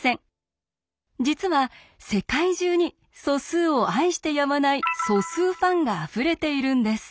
実は世界中に素数を愛してやまない素数ファンがあふれているんです。